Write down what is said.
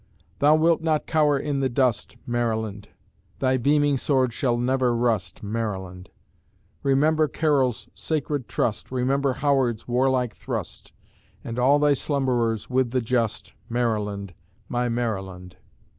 Thou wilt not cower in the dust, Maryland! Thy beaming sword shall never rust, Maryland! Remember Carroll's sacred trust, Remember Howard's warlike thrust, And all thy slumberers with the just, Maryland! My Maryland!